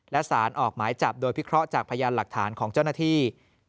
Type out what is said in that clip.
และสารออกหมายจับโดยพิเคราะห์จากพยานหลักฐานของเจ้าหน้าที่